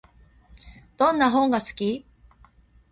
どんな本が好き？